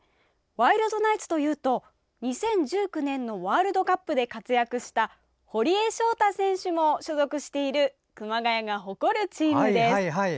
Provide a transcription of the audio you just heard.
ワイルドナイツというと２０１９年のワールドカップで活躍した堀江翔太選手も所属している熊谷が誇るチームです。